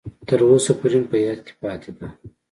تر اوسه پورې مې په یاد کې پاتې ده.